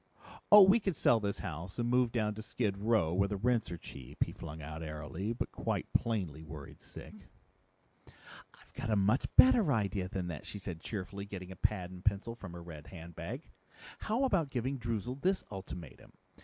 "Oh we could sell this house and move down to skid row where the rents are cheap," he flung out airily, but quite plainly worried sick. "I've got a much better idea than that," she said cheerily, getting a pad and pencil from her red handbag. "How about giving Droozle this ultimatum?"